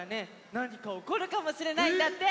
なにかおこるかもしれないんだって！